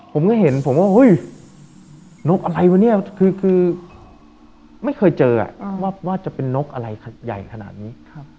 ผมก็เห็นผมว่าเฮ้ยนกอะไรวะเนี่ยคือไม่เคยเจอว่าจะเป็นนกอะไรใหญ่ขนาดนี้